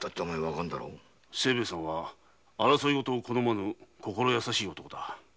清兵衛さんは争いごとを好まぬ心優しい男だ。